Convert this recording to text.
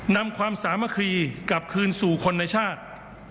นำความสามัคคีกลับคืนสู่คนในชาติ